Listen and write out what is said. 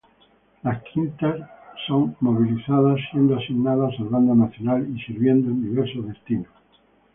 Las quintas son movilizadas siendo asignadas al bando nacional y sirviendo en diversos destinos.